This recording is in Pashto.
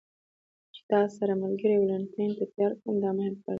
چې تا ستا ملګري والنتیني ته تیار کړم، دا مهم کار دی.